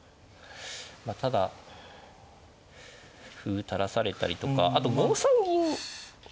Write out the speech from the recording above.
まあただ歩垂らされたりとかあと５三銀。